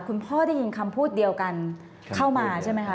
คุณพ่อได้ยินคำพูดเดียวกันเข้ามาใช่ไหมคะ